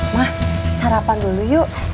mah sarapan dulu yuk